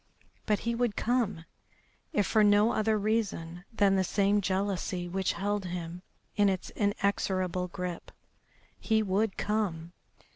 But he would come, if for no other reason than the same jealousy which held him in its inexorable grip. He would come!